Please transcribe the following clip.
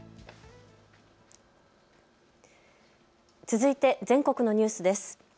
続いて全国のニュースです。